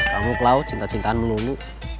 kamu klau cinta cintaanmu dulu